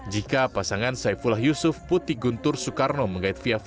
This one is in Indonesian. jika pasangan saifulah yusuf putih guntur soekarno mengait via valkyrie